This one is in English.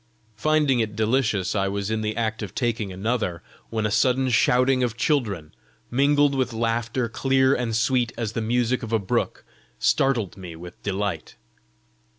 Finding it delicious, I was in the act of taking another, when a sudden shouting of children, mingled with laughter clear and sweet as the music of a brook, startled me with delight.